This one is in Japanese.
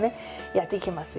やっていきますよ。